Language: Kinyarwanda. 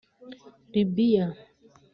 Libiya